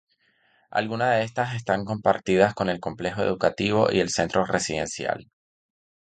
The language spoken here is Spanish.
Algunas de estas están compartidas con el Complejo Educativo y el Centro Residencial.